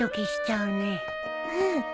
うん。